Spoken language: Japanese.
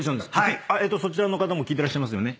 そちらの方も聞いてらっしゃいますよね。